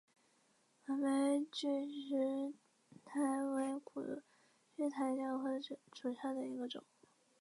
峨眉吊石苣苔为苦苣苔科吊石苣苔属下的一个种。